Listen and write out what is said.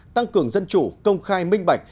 tăng cường dân chủ công khai minh bạch